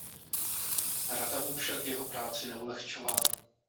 Rada mu však jeho práci neulehčovala.